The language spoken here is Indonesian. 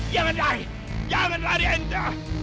jangan lari jangan lari anda